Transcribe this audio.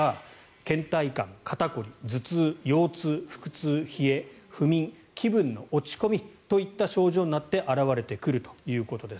けん怠感、肩凝り、頭痛、腰痛腹痛、冷え不眠、気分の落ち込みといった症状になって表れてくるということです。